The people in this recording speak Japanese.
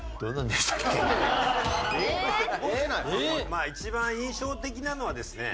まあ一番印象的なのはですね